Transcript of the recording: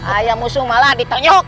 ayah musuh malah ditenyuk